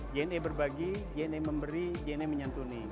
jna berbagi jna memberi jna menyentuni